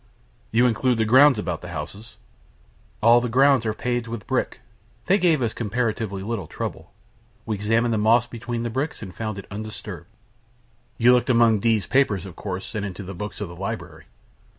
"You include the grounds about the houses?" "All the grounds are paved with brick. They gave us comparatively little trouble. We examined the moss between the bricks, and found it undisturbed." "You looked among D 's papers, of course, and into the books of the library?"